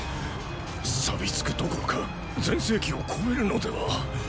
錆びつくどころか全盛期を超えるのでは。